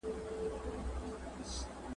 زور یې نه وو د شهپر د وزرونو ,